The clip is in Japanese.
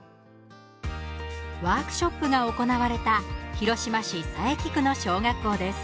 ワークショップが行われた広島市佐伯区の小学校です。